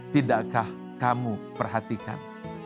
tidakkah kamu perhatikan